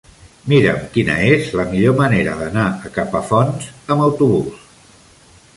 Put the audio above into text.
Mira'm quina és la millor manera d'anar a Capafonts amb autobús.